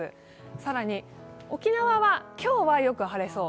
更に、沖縄は今日はよく晴れそう。